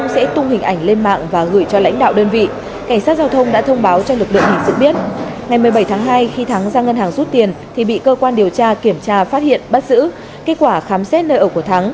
xin chào các bạn